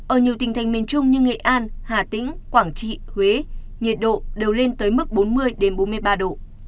ở nhiều tỉnh thành miền trung như nghệ an hà tĩnh quảng trị huế nhiệt độ đều lên tới mức bốn mươi bốn mươi ba độ